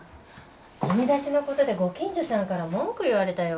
ゴミ出しの事でご近所さんから文句言われたよ。